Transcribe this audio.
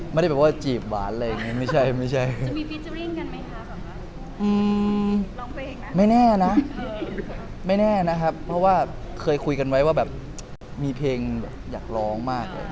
ไม่แน่นะครับเพราะว่าเคยคุยกันไว้ว่าแบบมีเพลงอยากร้องมาก